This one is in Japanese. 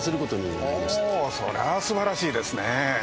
ほうそれは素晴らしいですね。